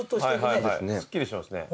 すっきりしますね。